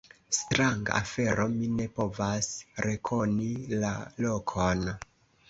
Stranga afero, mi ne povas rekoni la lokon!